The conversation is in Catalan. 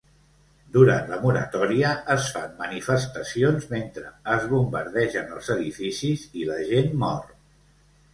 Durant la moratòria, es fan manifestacions mentre es bombardegen els edificis i la gent mor.